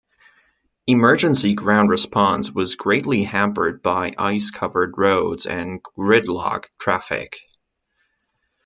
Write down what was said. Emergency ground response was greatly hampered by ice-covered roads and gridlocked traffic.